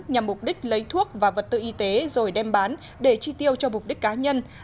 nhằm mục đích lấy thuốc và vật tư y tế rồi đem bán để chi tiêu cho mục đích cá nhân